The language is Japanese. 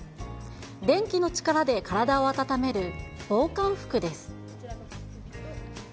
電気の力で体を温める防寒服です。